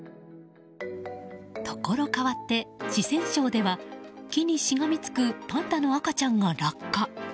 ところかわって、四川省では木にしがみつくパンダの赤ちゃんが落下。